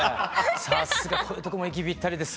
さすがこういうところも息ぴったりです。